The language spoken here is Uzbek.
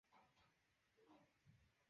Ziyorat vaqti tugagan edi